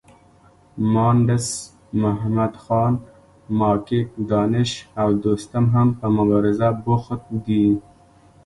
مانډس محمدخان، ماکیک، دانش او دوستم هم په مبارزه بوخت دي.